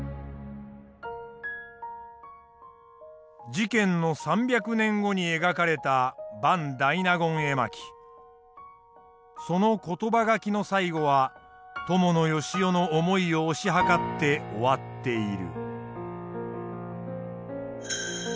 事件の３００年後に描かれたそのことば書きの最後は伴善男の思いを推し量って終わっている。